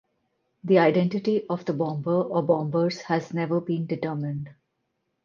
The identity of the bomber or bombers has never been determined.